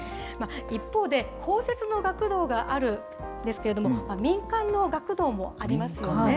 一方で、公設の学童があるんですけれども、民間の学童もありますよね。